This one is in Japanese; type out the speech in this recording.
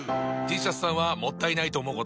Ｔシャツさんはもったいないと思うことあります？